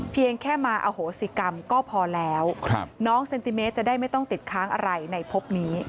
เพียงแค่มาอโหสิกรรมก็พอแล้วน้องเซนติเมตรจะได้ไม่ต้องติดค้างอะไรในพบนี้